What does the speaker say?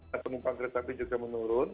nah penumpang kereta api juga menurun